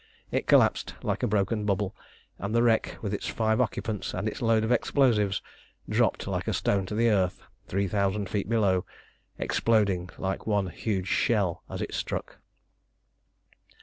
It collapsed like broken bubble, and the wreck, with its five occupants and its load of explosives, dropped like a stone to the earth, three thousand feet below, exploding like one huge shell as it struck.